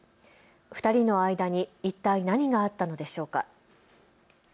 ２人の間に一体何があったのでしょうか。